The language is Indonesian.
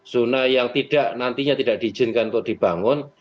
zona yang tidak nantinya tidak diizinkan untuk dibangun